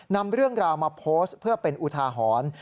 นำเรื่องราวมาโพสต์เพื่อเป็นอุทาหรณ์